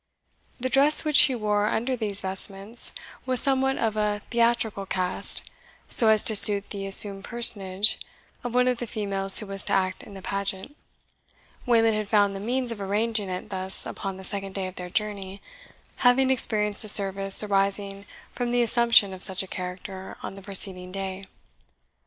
The dress which she wore under these vestments was somewhat of a theatrical cast, so as to suit the assumed personage of one of the females who was to act in the pageant, Wayland had found the means of arranging it thus upon the second day of their journey, having experienced the service arising from the assumption of such a character on the preceding day.